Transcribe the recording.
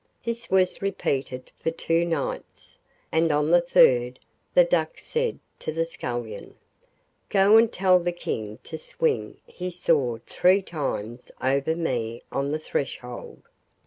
This was repeated for two nights, and on the third the Duck said to the Scullion: 'Go and tell the King to swing his sword three times over me on the threshold.